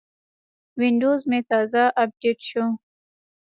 وینډوز مې تازه اپډیټ شو.